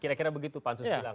kira kira begitu pak ansus bilang